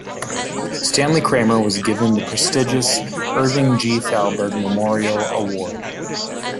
Stanley Kramer was given the prestigious Irving G. Thalberg Memorial Award.